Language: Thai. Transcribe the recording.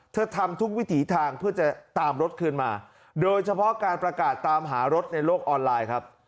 ทำทุกวิถีทางเพื่อจะตามรถคืนมาโดยเฉพาะการประกาศตามหารถในโลกออนไลน์ครับ